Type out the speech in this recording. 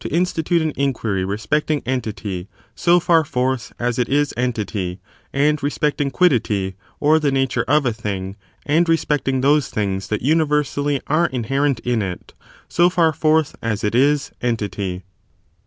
institute an inquiry respecting entity, so fkr forth as it is entity, and respecting quiddity, or the nature of a thing, and respecting those things that universally are inherent in it, so far forth as it is entity.